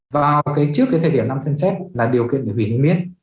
và trước cái thời điểm năm xem xét là điều kiện để hủy niêm yết